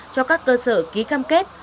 cho các cơ sở ký cam kết